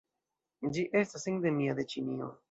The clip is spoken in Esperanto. Ĝi estas endemia de Ĉinio.